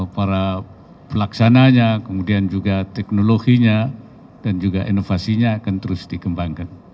para pelaksananya kemudian juga teknologinya dan juga inovasinya akan terus dikembangkan